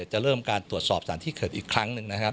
จะเริ่มการตรวจสอบสถานที่เกิดอีกครั้งหนึ่งนะครับ